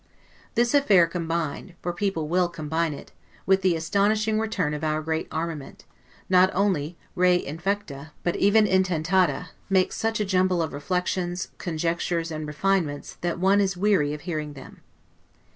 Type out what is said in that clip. This affair combined (for people will combine it) with the astonishing return of our great armament, not only 're infecta', but even 'intentata', makes such a jumble of reflections, conjectures, and refinements, that one is weary of hearing them.